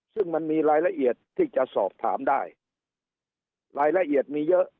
ซึ่งมันมีรายละเอียดที่จะสอบถามได้รายละเอียดมีเยอะ